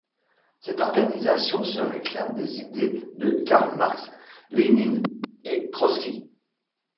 Cette organisation se réclame des idées de Karl Marx, Lénine et Trotsky.